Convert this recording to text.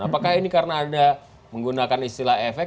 apakah ini karena ada menggunakan istilah efek